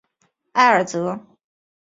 埃尔泽。